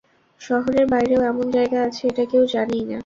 শহরের বাইরেও এমন জায়গা আছে এটা কেউ জানেই না।